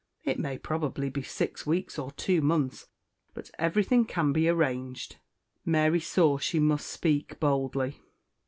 It may probably be six weeks or two months before everything can be arranged." Mary saw she must speak boldly.